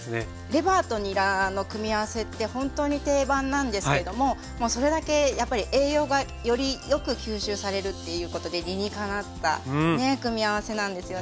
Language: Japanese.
レバーとにらの組み合わせってほんとに定番なんですけれどももうそれだけやっぱり栄養がよりよく吸収されるっていうことで理にかなったね組み合わせなんですよね。